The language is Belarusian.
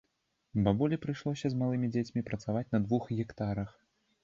Бабулі прыйшлося з малымі дзецьмі працаваць на двух гектарах.